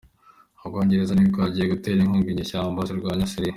Ubwongereza bwongeye gutera inkunga inyeshyamba zirwanya Siriya